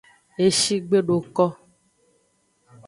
Eshi gbe do ko.